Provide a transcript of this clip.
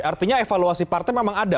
artinya evaluasi partai memang ada